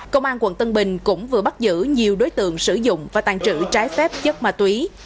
công an quận tân bình cũng vừa bắt giữ nhiều đối tượng sử dụng và tàn trữ trái phép chất ma túy